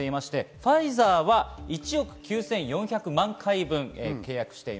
ファイザーは１億９４００万回分です。